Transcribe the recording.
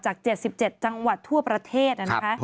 จาก๗๗จังหวัดทั่วประเทศ